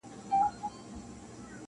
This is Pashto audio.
• پاس پر ونو ځالګۍ وې د مرغانو -